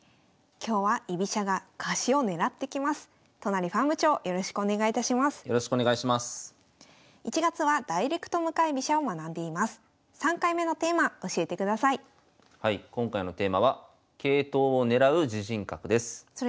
今回のテーマは「桂頭をねらう自陣角」です。